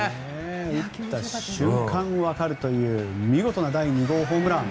打った瞬間わかるという見事な第２号ホームラン。